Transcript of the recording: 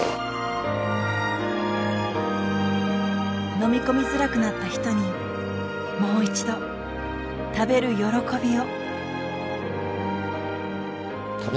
飲み込みづらくなった人にもう一度食べる喜びを。